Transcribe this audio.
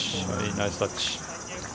ナイスタッチ。